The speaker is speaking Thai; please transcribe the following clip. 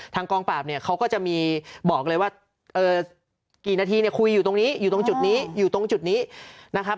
กองปราบเนี่ยเขาก็จะมีบอกเลยว่ากี่นาทีเนี่ยคุยอยู่ตรงนี้อยู่ตรงจุดนี้อยู่ตรงจุดนี้นะครับ